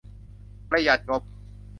ประหยัดงบ